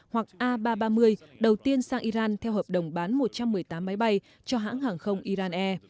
hoặc a ba trăm ba mươi đầu tiên sang iran theo hợp đồng bán một trăm một mươi tám máy bay cho hãng hàng không iran air